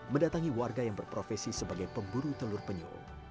mendatangi warga yang berprofesi sebagai pemburu telur penyu